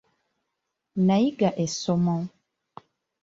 Nayiga essomo.